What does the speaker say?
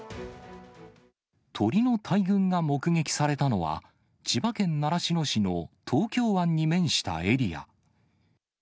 鳥の大群が目撃されたのは、千葉県習志野市の東京湾に面したエリア。